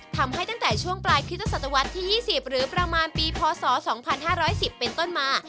ตั้งแต่ช่วงปลายคริสตศตวรรษที่๒๐หรือประมาณปีพศ๒๕๑๐เป็นต้นมา